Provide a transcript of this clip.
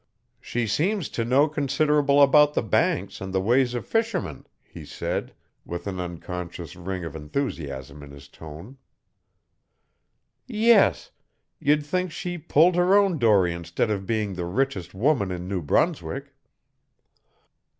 "She seems to know considerable about the Banks and the ways of fishermen," he said, with an unconscious ring of enthusiasm in his tone. "Yes; you'd think she pulled her own dory instead of being the richest woman in New Brunswick."